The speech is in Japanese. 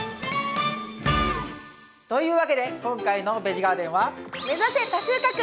というわけで今回の「ベジガーデン」は。